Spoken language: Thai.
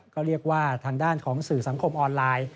ก็เรียกว่าทางด้านของสื่อสังคมออนไลน์